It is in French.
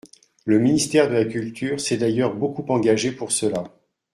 Le ministère de la culture s’est d’ailleurs beaucoup engagé pour cela.